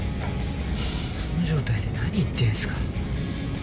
その状態で何言ってんですか。